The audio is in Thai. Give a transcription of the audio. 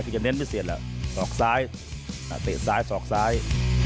ถ้ามันไม่เสียจะเห็นหลอกซ้ายตกทางเดียว